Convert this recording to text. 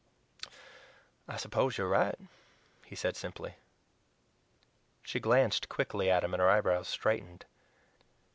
"I suppose you are right," he said simply. She glanced quickly at him, and her eyebrows straightened.